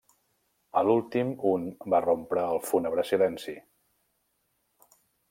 A l'últim, un va rompre el fúnebre silenci.